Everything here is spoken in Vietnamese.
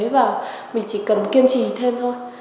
và mình chỉ cần kiên trì thêm thôi